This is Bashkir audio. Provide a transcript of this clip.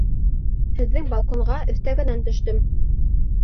Һеҙҙең балконға өҫтәгенән төштөм.